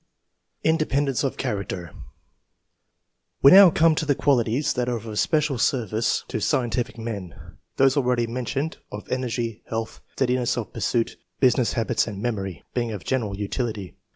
INDEPENDENCE OF CHARACTER. We now come to the qualities that are of especial service to scientific men; those al ready mentioned, of energy; health, steadi ness of pursuit, business habits and memory, being of general utility.